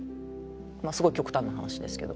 すごい極端な話ですけど。